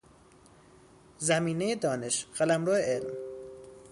زمینهی دانش، قلمرو علم